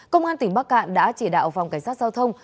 công an tỉnh bắc cạn đã chỉ đạo phòng cảnh sát giao thông